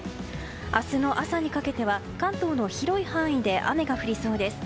明日の朝にかけては、関東の広い範囲で雨が降りそうです。